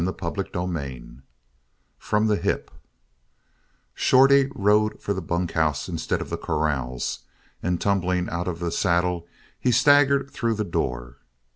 CHAPTER XII FROM THE HIP Shorty rode for the bunkhouse instead of the corrals and tumbling out of the saddle he staggered through the door.